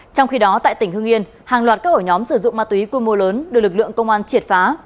trong khi đó tại tỉnh hương yên hàng loạt các ổ nhóm sử dụng ma túy quy mô lớn được lực lượng công an triệt phá